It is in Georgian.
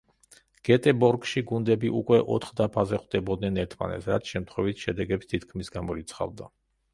გეტებორგში გუნდები უკვე ოთხ დაფაზე ხვდებოდნენ ერთმანეთს, რაც შემთხვევით შედეგებს თითქმის გამორიცხავდა.